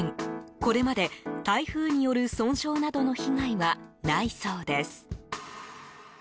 これまで、台風による損傷などの被害はないそうです。